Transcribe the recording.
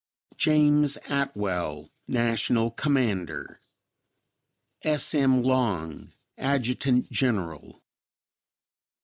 James Atwell, National Commander. S. M. Long, Adjt. Gen'l.